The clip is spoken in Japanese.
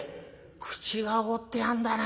口がおごってやんだなおい。